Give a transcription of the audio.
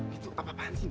gitu apa apaan sih di